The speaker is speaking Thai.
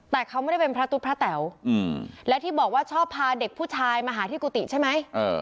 แต่เขาไม่ได้เป็นพระตุ๊บพระแต๋วและที่บอกว่าชอบพาเด็กผู้ชายมาหาที่กุฏิใช่ไหม